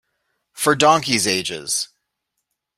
For donkeys' ages.